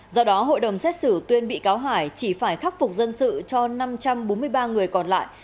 do đó hội đồng xét xử tuyên bị cáo hải chỉ phải khắc phục dân sự cho năm trăm bốn mươi ba người còn lại